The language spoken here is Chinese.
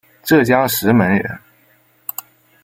浙江石门人。